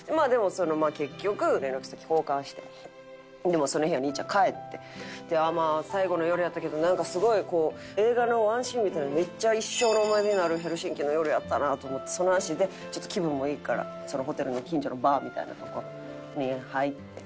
まあ結局連絡先交換してその日は兄ちゃん帰って最後の夜やったけどすごい映画のワンシーンみたいなめっちゃ一生の思い出になるヘルシンキの夜やったなと思ってその足でちょっと気分もいいからそのホテルの近所のバーみたいな所に入って。